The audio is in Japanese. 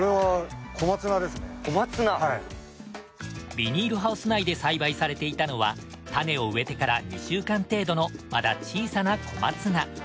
ビニールハウス内で栽培されていたのは種を植えてから２週間程度のまだ小さな小松菜。